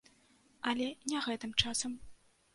Але не гэтым часам.